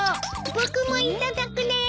僕もいただくです。